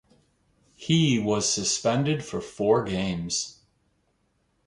He was suspended for four games.